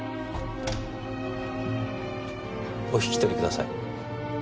お引き取りください。